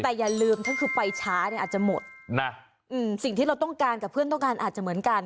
แต่อย่าลืมถ้าคือไปช้าเนี่ยอาจจะหมดนะอืมสิ่งที่เราต้องการกับเพื่อนต้องการอาจจะเหมือนกัน